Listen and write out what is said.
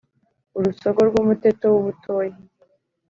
urusogo rw’ umuteto w’ ubutoya